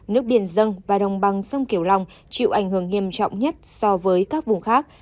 nước biển dân và đồng bằng sông kiểu long chịu ảnh hưởng nghiêm trọng nhất so với các vùng khác